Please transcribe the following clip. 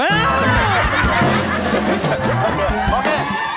เอ๋ง